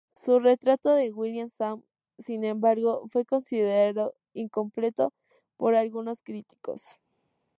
Su retrato de William Shawn, sin embargo, fue considerado incompleto por algunos críticos.